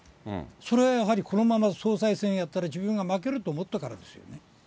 それはやはりこのまま総裁選やったら自分は負けると思ったからですよ。